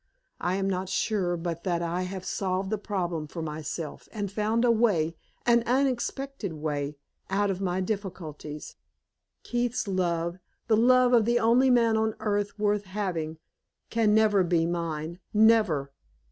I am not sure but that I have solved the problem for myself, and found a way an unexpected way out of my difficulties. Keith's love the love of the only man on earth worth having can never be mine never!